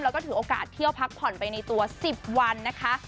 แล้วก็ถือโอกาสเที่ยวพักผ่อนไปในตัว๑๐วันนะคะ